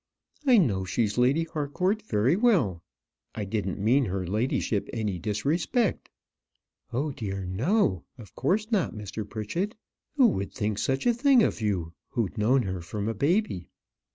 "I know she's Lady Harcourt very well. I didn't mean her ladyship any disrespect." "Oh dear, no, of course not, Mr. Pritchett. Who would think such a thing of you, who's known her from a baby?"